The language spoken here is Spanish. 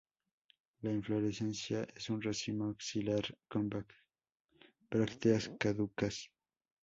La inflorescencia es un racimo axilar con brácteas caducas.